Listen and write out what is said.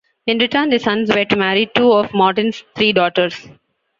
In return their sons were to marry two of Morton's three daughters.